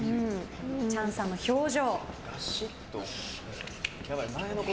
チャンさんの表情。